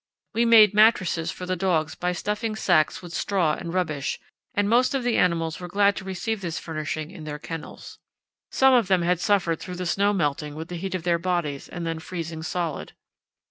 We made mattresses for the dogs by stuffing sacks with straw and rubbish, and most of the animals were glad to receive this furnishing in their kennels. Some of them had suffered through the snow melting with the heat of their bodies and then freezing solid.